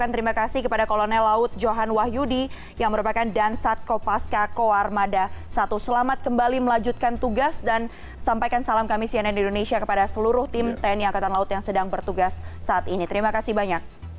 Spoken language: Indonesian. terima kasih banyak bang johan